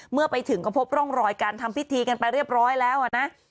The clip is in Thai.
เมื่อไปถึงก็พบร่องรอยการทำพิธีกันไปเรียบร้อยแล้วนะ